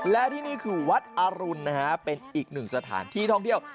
และที่นี่คือวัดอรุณนะฮะเป็นอีกหนึ่งสถานที่ท่องเที่ยว